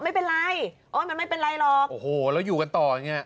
ไม่เป็นไรโอ๊ยมันไม่เป็นไรหรอกโอ้โหแล้วอยู่กันต่ออย่างเงี้